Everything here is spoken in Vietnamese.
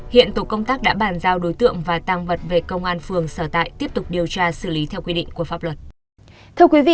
hiện tổ công tác đã bàn giao đối tượng và tăng vật về công an phường sở tại tiếp tục điều tra xử lý theo quy định của pháp luật